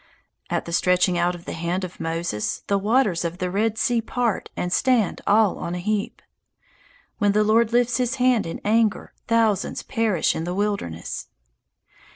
At the stretching out of the hand of Moses the waters of the Red Sea part and stand all on a heap. When the Lord lifts his hand in anger, thousands perish in the wilderness.